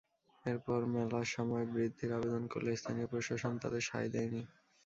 এরপর মেলার সময় বৃদ্ধির আবেদন করলে স্থানীয় প্রশাসন তাতে সায় দেয়নি।